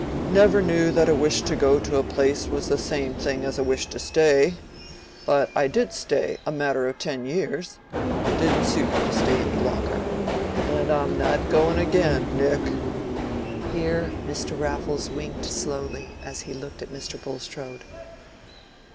"Never knew that a wish to go to a place was the same thing as a wish to stay. But I did stay a matter of ten years; it didn't suit me to stay any longer. And I'm not going again, Nick." Here Mr. Raffles winked slowly as he looked at Mr. Bulstrode.